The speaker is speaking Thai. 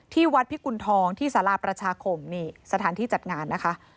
ที่วัดพิกุณฑองที่สาราประชาคมนี่สถานที่จัดงานนะคะ